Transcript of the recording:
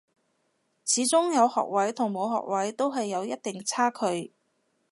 始終有學位同冇學位都係有一定差距